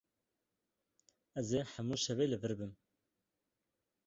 Ez ê hemû şevê li vir bim.